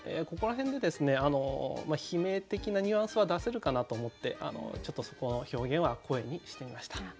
ここら辺で悲鳴的なニュアンスは出せるかなと思ってちょっとそこの表現は「声」にしてみました。